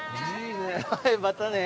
いいね。